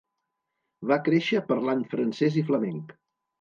Va créixer parlant francès i flamenc.